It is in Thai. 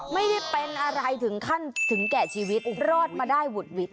ไม่ได้เป็นอะไรถึงขั้นถึงแก่ชีวิตรอดมาได้หุดหวิด